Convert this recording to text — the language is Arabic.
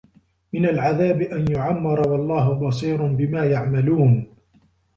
مِنَ الْعَذَابِ أَنْ يُعَمَّرَ ۗ وَاللَّهُ بَصِيرٌ بِمَا يَعْمَلُونَ